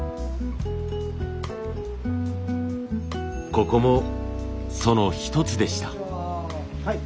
ここもその一つでした。